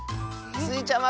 スイちゃん